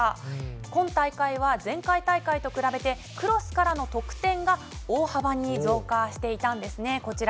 今大会は前回大会と比べてクロスからの得点が大幅に増加していたんですね、こちら。